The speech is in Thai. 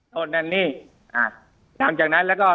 หลังจากนั้นแล้วก็